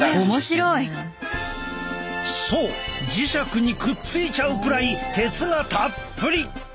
そう磁石にくっついちゃうくらい鉄がたっぷり。